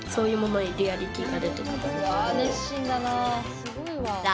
すごいわ。